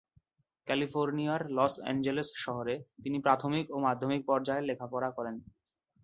ক্যালিফোর্নিয়ার Los Angeles শহরে তিনি প্রাথমিক ও মাধ্যমিক পর্যায়ের লেখাপড়া করেন।